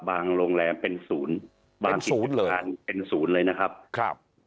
บางโรงแรมเป็นศูนย์เป็นศูนย์เลยบางกิจการเป็นศูนย์เลยนะครับครับ